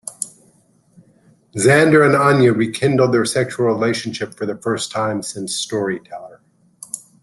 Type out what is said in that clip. Xander and Anya rekindle their sexual relationship for the first time since "Storyteller".